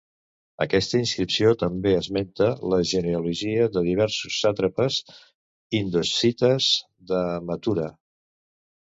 Aquesta inscripció també esmenta la genealogia de diversos sàtrapes indoescites de Mathura.